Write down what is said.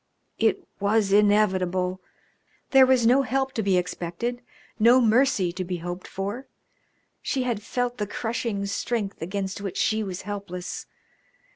It was inevitable; there was no help to be expected, no mercy to be hoped for. She had felt the crushing strength against which she was helpless.